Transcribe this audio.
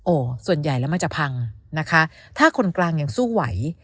โอ้โหส่วนใหญ่แล้วมันจะพังนะคะถ้าคนกลางยังสู้ไหว